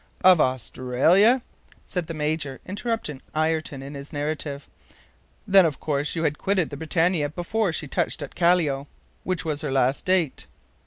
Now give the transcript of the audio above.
"Of Australia!" said the Major, interrupting Ayrton in his narrative. "Then of course you had quitted the BRITANNIA before she touched at Callao, which was her last date?"